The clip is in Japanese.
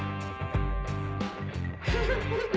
フフフフ！